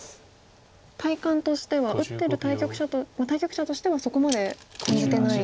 体感としては打ってる対局者対局者としてはそこまで感じてない。